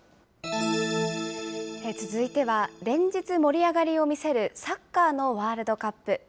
続いては、連日盛り上がりを見せるサッカーのワールドカップ。